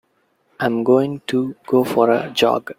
I'm going to go for a jog.